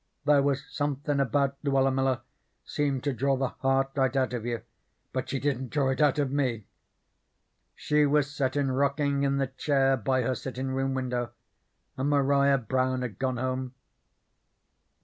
There was somethin' about Luella Miller seemed to draw the heart right out of you, but she didn't draw it out of ME. She was settin' rocking in the chair by her sittin' room window, and Maria Brown had gone home.